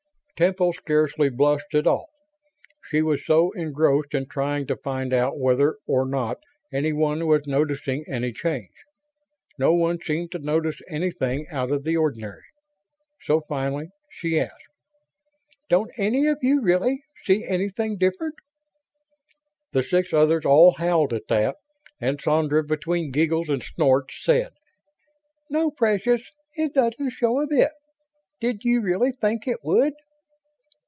Temple scarcely blushed at all, she was so engrossed in trying to find out whether or not anyone was noticing any change. No one seemed to notice anything out of the ordinary. So, finally, she asked. "Don't any of you, really, see anything different?" The six others all howled at that, and Sandra, between giggles and snorts, said: "No, precious, it doesn't show a bit. Did you really think it would?"